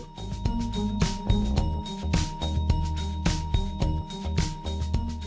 beberapa pencapaian ia rasakan dari brand skill monkey